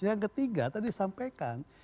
yang ketiga tadi sampaikan